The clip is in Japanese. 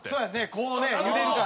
こうね揺れるから。